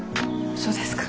そうですか。